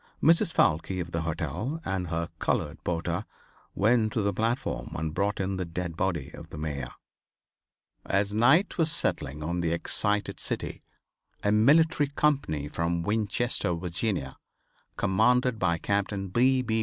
Mrs. Foulke of the hotel, and her colored porter, went to the platform and brought in the dead body of the Mayor. As night was settling on the excited city a military company from Winchester, Virginia, commanded by Captain B. B.